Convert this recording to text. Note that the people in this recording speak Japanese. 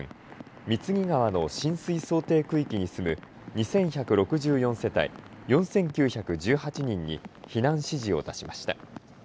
御調川の浸水想定区域に住む２１６４世帯４９１８人に避難指示を出しました。